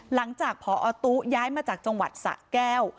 หลังจากพอตู้ย้ายมาจากจังหวัดสะแก้ว